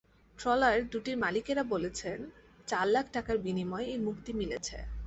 Trawler দুটির মালিকেরা বলেছেন, চার লাখ টাকার বিনিময়ে এই মুক্তি মিলেছে।